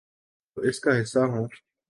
تو اس کا حصہ ہوں۔